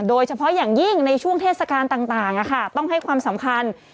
โดยเฉพาะอย่างยิ่งในช่วงเทศกาลต่างต้องให้ความสำคัญ